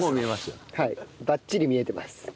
はいバッチリ見えてます。